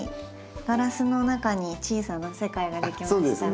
ガラスの中に小さな世界が出来ました。